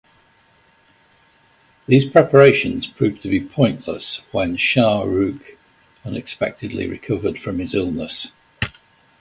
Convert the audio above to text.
These preparations proved to be pointless when Shah Rukh unexpectedly recovered from his illness.